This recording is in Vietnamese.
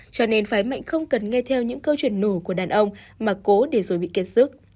cho nên phái mạnh không cần nghe theo những câu chuyện nù của đàn ông mà cố để rồi bị kiệt sức